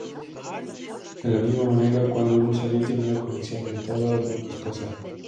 De la misma manera, cuando un usuario tiene una conexión limitada o muy costosa.